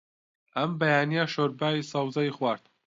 ئەم بەیانییە شۆربای سەوزەی خوارد.